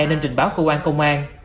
nên trình báo cơ quan công an